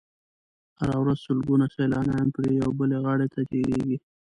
هره ورځ سلګونه سیلانیان پرې یوې بلې غاړې ته تېرېږي.